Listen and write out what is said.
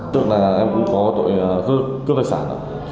tức là em cũng có tội cướp tài sản